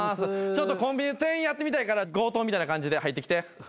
ちょっとコンビニの店員やってみたいから強盗みたいな感じで入ってきて。